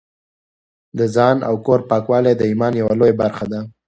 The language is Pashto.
د ځان او کور پاکوالی د ایمان یوه لویه برخه ده.